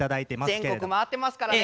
全国回ってますからね。